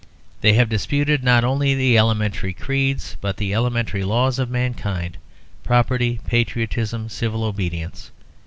They have disputed not only the elementary creeds, but the elementary laws of mankind, property, patriotism, civil obedience.